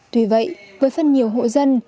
tuy vậy với phần nhiều hộ dân